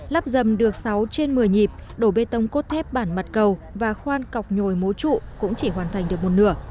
lắp dầm được sáu trên một mươi nhịp đổ bê tông cốt thép bản mặt cầu và khoan cọc nhồi máu trụ cũng chỉ hoàn thành được một nửa